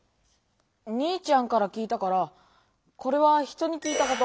お兄ちゃんから聞いたからこれは人に聞いたこと。